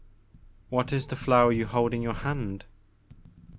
What is the flower you hold in your hand